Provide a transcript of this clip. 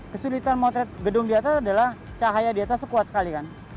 kesulitan motret gedung di atas adalah cahaya di atas itu kuat sekali kan